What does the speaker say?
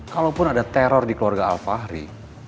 kalau pun ada teror di keluarga alvari